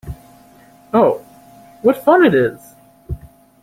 Oh, what fun it is!